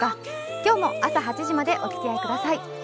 今日も朝８時までおつきあいください。